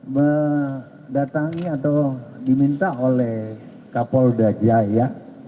mendatangi atau diminta oleh kapolda jaya